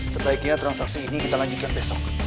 sebaiknya transaksi ini kita lanjutkan besok